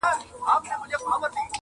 حقيقت له کيسې نه لوی دی,